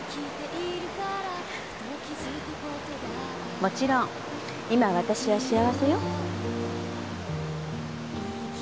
もちろん今私は幸せよ。